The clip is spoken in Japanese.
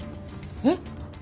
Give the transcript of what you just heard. えっ？